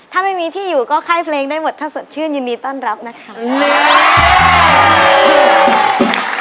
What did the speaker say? ถ้าไม่มีที่อยู่ก็ค่ายเพลงได้หมดถ้าสดชื่นยินดีต้อนรับนะคะ